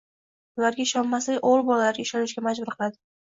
ularga ishonmaslik o‘g‘il bolalarga ishonishga majbur qiladi.